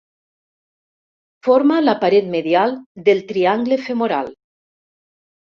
Forma la paret medial del triangle femoral.